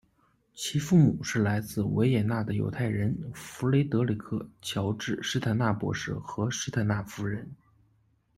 其父母是来自维也纳的犹太人弗雷德里克·乔治·史坦纳博士和史坦纳夫人。